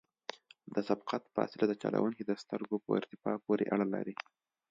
د سبقت فاصله د چلوونکي د سترګو په ارتفاع پورې اړه لري